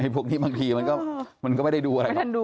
พวกนี้บางทีมันก็ไม่ได้ดูอะไร